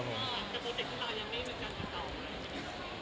กับโปรเจกต์ธรรมดาอย่างนี้เหมือนกันหรือเปล่า